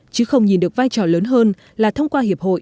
chứ không nhìn được vai trò lớn hơn là thông qua hiệp hội